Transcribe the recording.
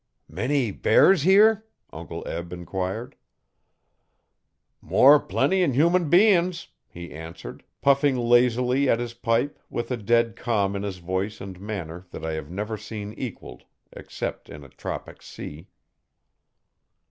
'Many bears here?' Uncle Eb enquired. 'More plenty 'n human bein's,' he answered, puffing lazily at his pipe with a dead calm in his voice and manner that I have never seen equalled except in a tropic sea.